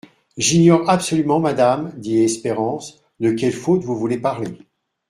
J'ignore absolument, madame, dit Espérance, de quelle faute vous voulez parler.